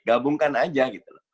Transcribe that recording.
gabungkan aja gitu